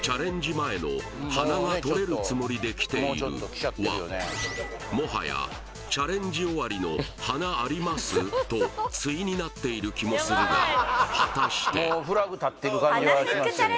前の「鼻が取れるつもりで来ている」はもはやチャレンジ終わりの「鼻あります？」と対になっている気もするが果たして？